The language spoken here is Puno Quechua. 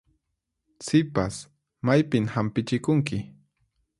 Sipas, maypin hampichikunki?